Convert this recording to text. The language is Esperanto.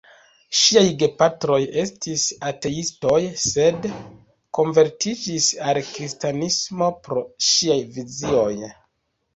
Ŝiaj gepatroj estis ateistoj, sed konvertiĝis al kristanismo pro ŝiaj vizioj.